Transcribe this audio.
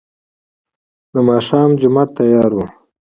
د ماښام جماعت تيار و.